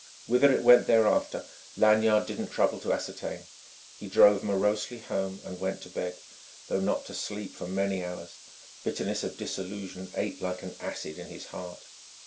Whither it went thereafter, Lanyard didn't trouble to ascertain. He drove morosely home and went to bed, though not to sleep for many hours: bitterness of disillusion ate like an acid in his heart.